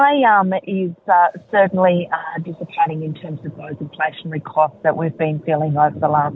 yang masih menjadi masalah